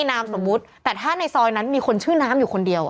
นามสมมุติแต่ถ้าในซอยนั้นมีคนชื่อน้ำอยู่คนเดียว